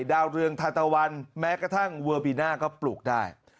ดาวเรืองธาตะวันแม้กระทั่งเวอร์บีน่าก็ปลูกได้